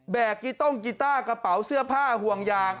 กีต้งกีต้ากระเป๋าเสื้อผ้าห่วงยาง